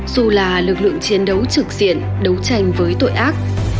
dù là lực lượng chiến đấu trực diện đấu tranh với tội ác